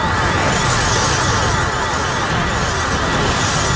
ya allah mari bunda